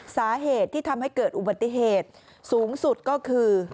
สาเหตุที่ทำให้เกิดอุบัติเหตุสูงสุดก็คือ